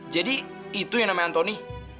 jadi itu yang namanya antoni